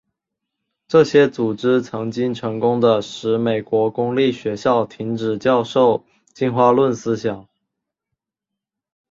这些组织曾经成功地使美国公立学校停止教授进化论思想。